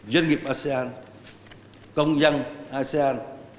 dân nghiệp asean công dân asean